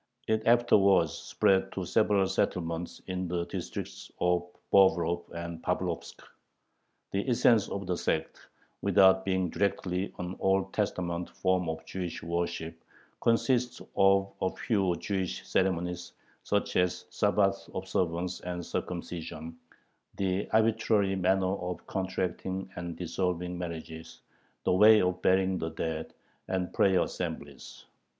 It afterwards spread to several settlements in the districts of Bobrov and Pavlovsk. The essence of the sect, without being directly an Old Testament form of Jewish worship, consists of a few [Jewish] ceremonies, such as Sabbath observance and circumcision, the arbitrary manner of contracting and dissolving marriages, the way of burying the dead, and prayer assemblies.